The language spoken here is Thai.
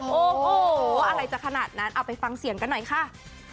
โอ้โหอะไรจะขนาดนั้นเอาไปฟังเสียงกันหน่อยค่ะ